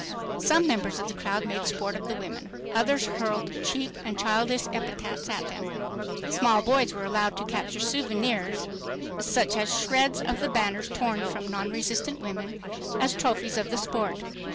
Some members of the crowd made sport of the women. Others hurled cheap and childish epithets at them. Small boys were allowed to capture souvenirs, shreds of the banners torn from non resistant women, as trophies of the sport.